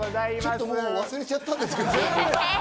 ちょっと忘れちゃったんですけど。